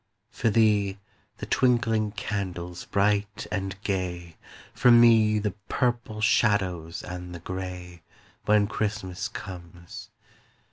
For thee, the twinkling candles bright and gay, For me, the purple shadows and the grey, When Christmas comes.